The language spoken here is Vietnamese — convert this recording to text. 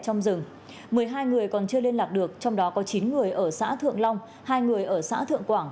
trong rừng một mươi hai người còn chưa liên lạc được trong đó có chín người ở xã thượng long hai người ở xã thượng quảng